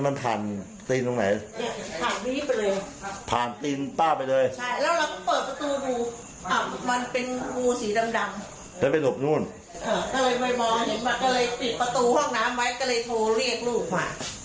เออมันไปมองเห็นมากก็เลยปิดประตูห้องน้ำไว้ก็เลยโทรเรียกลูกมา